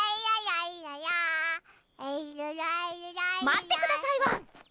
待ってくださいワン！